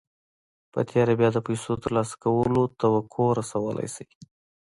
په تېره بیا د پیسو ترلاسه کولو توقع رسولای شئ